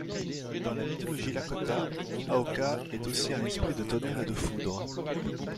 Dans la mythologie lakota, Haokah est aussi un esprit de tonnerre et de foudre.